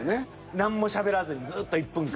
何もしゃべらずにずっと１分間。